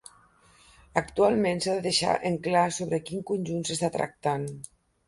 Actualment s'ha de deixar en clar sobre quin conjunt s'està tractant.